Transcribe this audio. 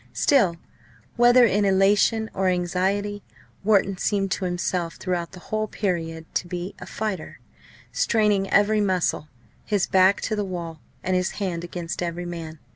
Still, whether in elation or anxiety, Wharton seemed to himself throughout the whole period to be a fighter, straining every muscle, his back to the wall and his hand against every man.